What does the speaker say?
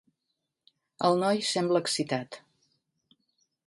El noi sembla excitat.